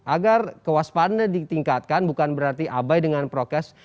agar kewaspada ditingkatkan bukan berarti abai dengan prokes